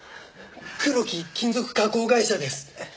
クロキ金属加工会社です。